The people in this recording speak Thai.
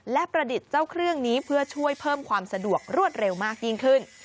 และประดิษฐ์เจ้าเครื่องนี้เพื่อช่วยเพิ่มความสะดวกรวดเร็วมากยิ่งขึ้น